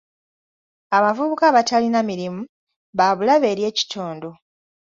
Abavubuka abatalina mirimu ba bulabe eri ekitundu.